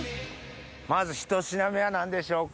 まずひと品目は何でしょうか？